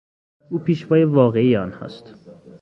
او پیشوای واقعی آنهاست.